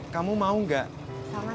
kamu jangan keumbangan